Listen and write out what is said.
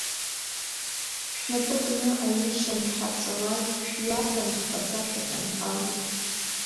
Шәнапы кны аҩышьа аншәҳарҵалак, шәҩаԥан ҳԥаҵа шәахьынҳалоит.